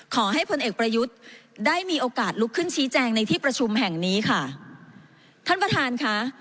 ขอให้พลเอกประยุทธ์ได้มีโอกาสลุกขึ้นชี้แจงในที่ประชุมแห่งนี้ค่ะท่านประธานค่ะ